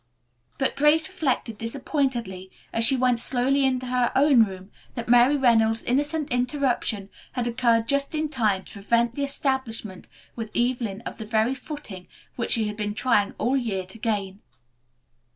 But Grace reflected disappointedly as she went slowly into her own room that Mary Reynolds' innocent interruption had occurred just in time to prevent the establishment with Evelyn of the very footing which she had been trying all year to gain.